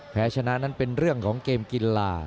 แพ้ชนะนั้นเป็นเรื่องของเกมกีฬา